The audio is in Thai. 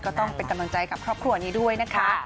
ก็ต้องเป็นกำลังใจกับครอบครัวนี้ด้วยนะคะ